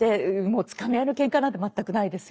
つかみ合いのケンカなんて全くないですよ。